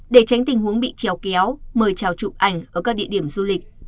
để tránh tình huống bị trèo kéo mời trào trụ ảnh ở các địa điểm du lịch